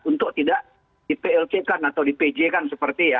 untuk tidak di plt kan atau di pj kan seperti ya